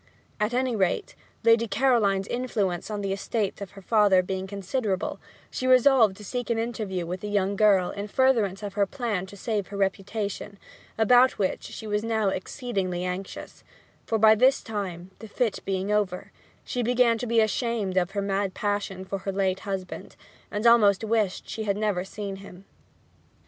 At any rate, the Lady Caroline's influence on the estates of her father being considerable, she resolved to seek an interview with the young girl in furtherance of her plan to save her reputation, about which she was now exceedingly anxious; for by this time, the fit being over, she began to be ashamed of her mad passion for her late husband, and almost wished she had never seen him.